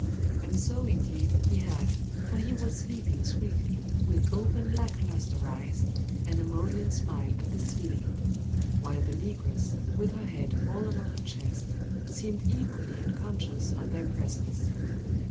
And so, indeed, he had; for he was sleeping sweetly, with open lack lustre eyes, and a maudlin smile at the ceiling; while the negress, with her head fallen on her chest, seemed equally unconscious of their presence.